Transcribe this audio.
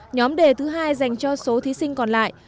nhóm đề thứ hai dành cho số thí sinh còn lại